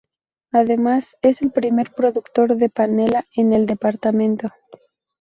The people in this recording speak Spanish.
Además es el primer productor de panela en el departamento.